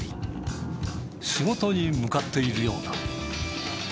仕事に向かっているようだ。